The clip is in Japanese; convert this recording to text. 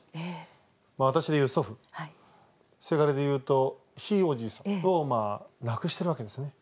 私で言う祖父せがれで言うとひいおじいさんを亡くしてるわけですね。